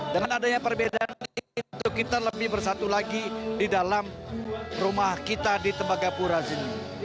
dengan adanya perbedaan itu kita lebih bersatu lagi di dalam rumah kita di tembagapura sini